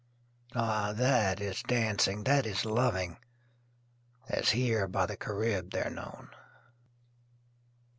Ah! that is dancing, that is loving, As here by the Carib they're known.